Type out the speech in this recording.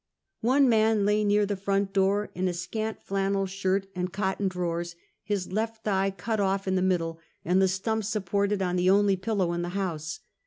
One man lay near the front door, in a scant flannel shirt and cotton drawers, his left thigh cut off in the middle and the stump supported on the only pillow in the house.